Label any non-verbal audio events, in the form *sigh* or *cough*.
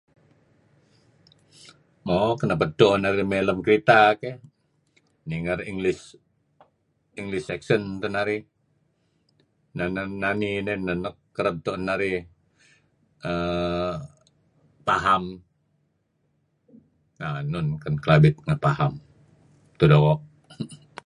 Mo kenep edto narih may lem kereta keyh ninger English English section teh narih neh neh nani neh nuk kereb tuen narih uhm paham neh enun ken Kelabit ngen paham mutuh doo'. *laughs*